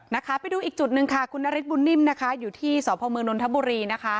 นะคะไปดูอีกจุดหนึ่งค่ะคุณนฤทธบุญนิ่มนะคะอยู่ที่สพมนนทบุรีนะคะ